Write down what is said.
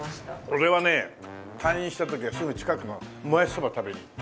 俺はね退院した時はすぐ近くのもやしそば食べに行った。